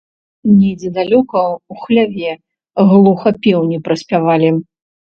Недзе далёка, у хляве, глуха пеўні праспявалі.